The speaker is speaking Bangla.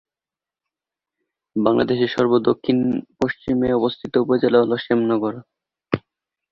বাংলাদেশের সর্ব দক্ষিণ পশ্চিমে অবস্থিত উপজেলা হল শ্যামনগর।